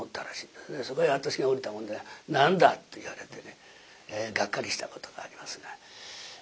そこへ私が降りたもんで「何だ」って言われてねがっかりしたことがありますが。